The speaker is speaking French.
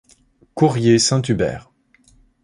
Courrier Saint-Hubert.